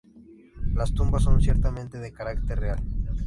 Las tumbas son ciertamente de carácter real.